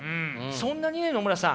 そんなにね野村さん